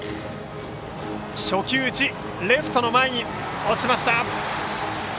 初球打ちがレフトの前に落ちました。